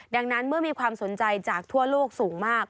ดังนั้นเมื่อมีความสนใจจากทั่วโลกสูงมาก